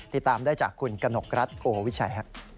ติดตามได้จากคุณกนกรัฐโพวิชัย